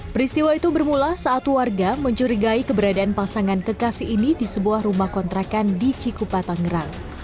peristiwa itu bermula saat warga mencurigai keberadaan pasangan kekasih ini di sebuah rumah kontrakan di cikupa tangerang